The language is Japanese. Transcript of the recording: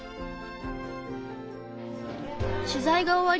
取材が終わり